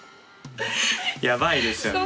やばいですよね。